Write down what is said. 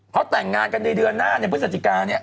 เขาแต่งงานกันในเดือนหน้าในพฤศจิกาเนี่ย